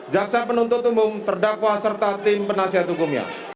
jaksa penuntut umum terdakwa serta tim penasihat hukumnya